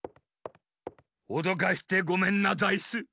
おどかしてごめんなザイス。